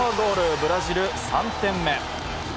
ブラジル、３点目。